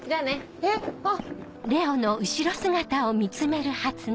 えっあっ。